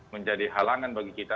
menjadi halangan bagi kita